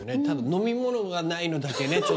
ただ飲み物がないのだけね